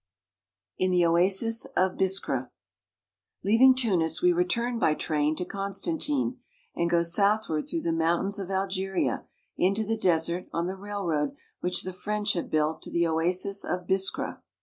IN THE OASIS OF BISKRA LEAVING Tunis, we return by train to Constantine and go southward through the mountains of Algeria into the desert on the railroad which the French have built to the oasis of Biskra.